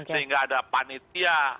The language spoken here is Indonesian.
sehingga ada panitia